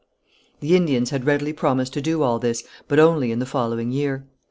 The Indians had readily promised to do all this, but only in the following year.